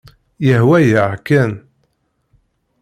Yehwa-yaɣ kan.